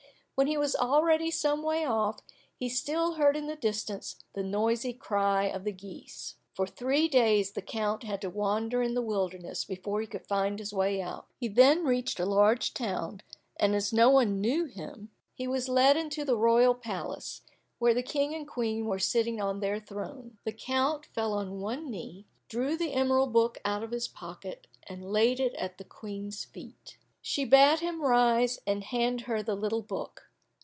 When he was already some way off, he still heard in the distance the noisy cry of the geese. For three days the count had to wander in the wilderness before he could find his way out. He then reached a large town, and as no one knew him, he was led into the royal palace, where the King and Queen were sitting on their throne. The count fell on one knee, drew the emerald book out of his pocket, and laid it at the Queen's feet. She bade him rise and hand her the little book.